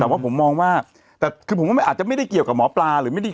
แต่ว่าผมมองว่าแต่คือผมก็อาจจะไม่ได้เกี่ยวกับหมอปลาหรือไม่ได้